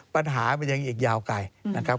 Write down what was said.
ปัญหามันยังอีกยาวไกลนะครับ